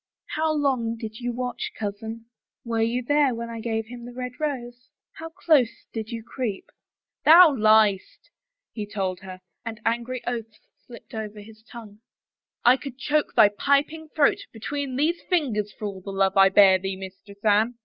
How long did you watch, cousin? Were you there when I gave him the red rose ? How close did you creep ?"'* Thou liest !" he told her, and angry oaths slipped 24 A BROKEN BETROTHAL Ofvcr his tongue. I could choke thy piping throat be tween these fingers, for all the love I bear thee, Mistress Anne